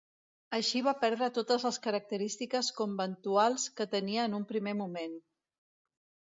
Així va perdre totes les característiques conventuals que tenia en un primer moment.